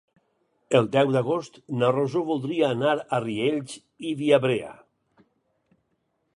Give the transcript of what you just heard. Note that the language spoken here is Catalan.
El deu d'agost na Rosó voldria anar a Riells i Viabrea.